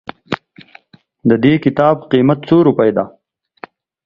ددي کتاب قيمت څو روپئ ده